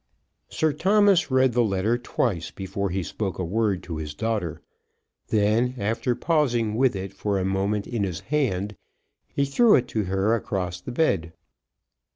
Sir Thomas read the letter twice before he spoke a word to his daughter. Then, after pausing with it for a moment in his hand, he threw it to her across the bed.